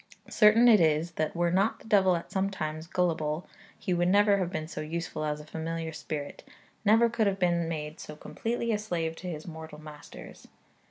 Certain it is that were not the devil at times gullible, he never would have been so useful as a familiar spirit, never could have been made so completely a slave to his mortal masters.